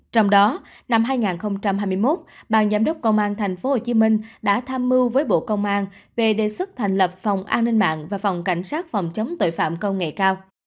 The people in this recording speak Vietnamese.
trong đó năm hai nghìn hai mươi một ban giám đốc công an tp hcm đã tham mưu với bộ công an về đề xuất thành lập phòng an ninh mạng và phòng cảnh sát phòng chống tội phạm công nghệ cao